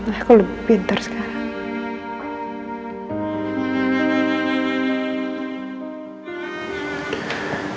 aku lebih pintar sekarang